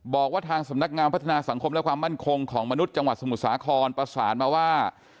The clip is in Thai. บอกว่าทางสำนักงานพัฒนาสังคมและความมั่นคงของมนุษย์จังหวัดสมุทรสาครประสานมาว่า